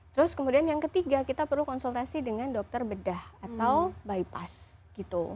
terus kemudian yang ketiga kita perlu konsultasi dengan dokter bedah atau bypass gitu